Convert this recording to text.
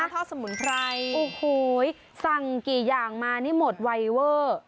ทอดสมุนไพรโอ้โหสั่งกี่อย่างมานี่หมดไวเวอร์